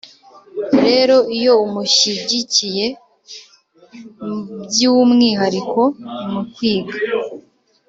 Rero iyo umushyigikiye by’umwihariko mu kwiga,